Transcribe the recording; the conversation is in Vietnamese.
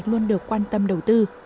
luôn được quan tâm đầu tư